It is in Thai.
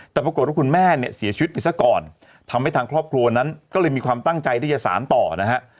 แต่ปรากฏว่าคุณแม่เนี่ยเสียชีวิตไปซะก่อนทำให้ทางครอบครัวนั้นก็เลยมีความตั้งใจที่จะสารต่อนะฮะ